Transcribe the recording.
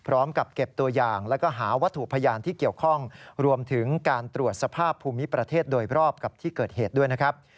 และหาวัตถุพยานที่เกี่ยวข้องรวมถึงการตรวจสภาพภูมิประเทศโดยรอบกับที่เกิดเหตุด้วยนะครับ